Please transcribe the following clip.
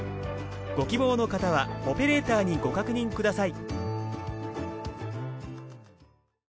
ご希望の方はオペレーターにご確認ください。